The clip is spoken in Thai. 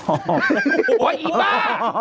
โอ้โหอีบ้า